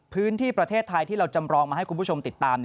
พื้นที่ประเทศไทยที่เราจำรองมาให้คุณผู้ชมติดตาม